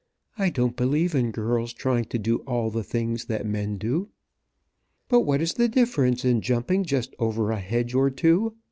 "I don't believe in girls trying to do all the things that men do." "But what is the difference in jumping just over a hedge or two?